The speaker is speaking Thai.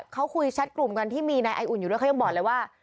เขาคุยแชทกลุ่มกันที่มีนายไออุ่นอยู่ด้วยเขายังบอกเลยว่า